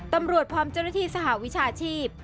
ตำรวจพร้อมเจ้าหน้าที่สหวิชาชีพ